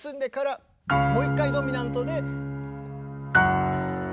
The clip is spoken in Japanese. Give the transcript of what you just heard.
もう一回ドミナントで。